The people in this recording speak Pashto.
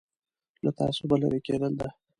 له تعصبه لرې کېدل ده.